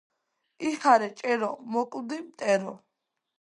იხარე, ჭერო, მოკვდი, მტერო!